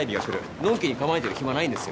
のんきに構えてる暇ないんですよ。